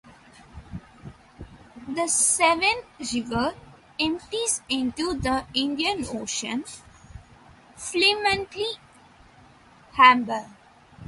The Swan River empties into the Indian Ocean at Fremantle Harbour.